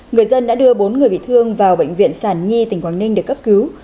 người dân đã đưa bốn người bị thương vào bệnh viện sản nhi tỉnh quảng ninh để cấp cứu